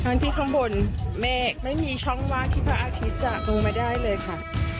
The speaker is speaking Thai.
ที่ข้างบนเมฆไม่มีช่องว่างที่พระอาทิตย์จากลงมาได้เลยค่ะ